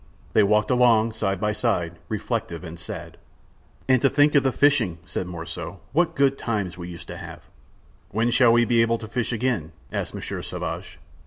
They walked along, side by side, reflective and sad. "And to think of the fishing!" said Morissot. "What good times we used to have!" "When shall we be able to fish again?" asked Monsieur Sauvage.